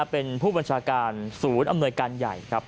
เป็นผู้บัญชาการศูนย์อำนวยการใหญ่ครับ